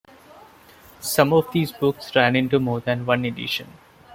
Some of these books ran into more than one edition.